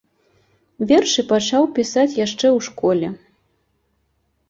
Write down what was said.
Вершы пачаў пісаць яшчэ ў школе.